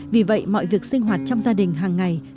vì vậy mọi việc sinh hoạt trong gia đình hàng ngày